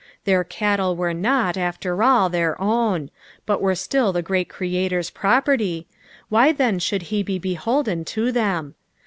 Their cattle were not, after all, their own, but were aliil the great Creator's property, why then should he be beholden to them.